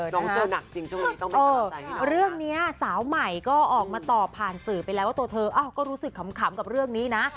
น้องเจอหนักจริงช่วงนี้ต้องไปเจอเรื่องนี้สาวใหม่ก็ออกมาตอบผ่านสื่อไปแล้วว่าตัวเธอก็รู้สึกขำกับเรื่องนี้นะ